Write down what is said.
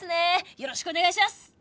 よろしくお願いしやす。